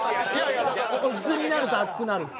オッズになると熱くなる。